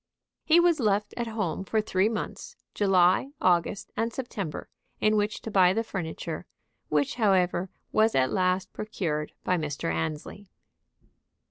He was left at home for three months, July, August, and September, in which to buy the furniture; which, however, was at last procured by Mr. Annesley.